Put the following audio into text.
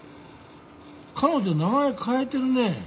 彼女名前変えてるね。